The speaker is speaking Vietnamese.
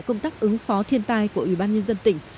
tăng tắc ứng phó thiên tai của ubnd tỉnh